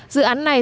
dự án này